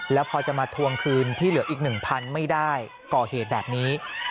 แล้วพอจะมาทวงคืนที่เหลืออีก๑๐๐ไม่ได้ก่อเหตุแบบนี้